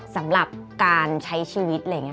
สำหรับการใช้ชีวิต